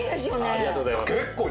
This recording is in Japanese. ありがとうございます。